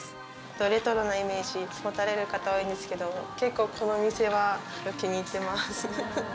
レトロなイメージを持たれる方多いんですけど、結構、この店は気に入ってます。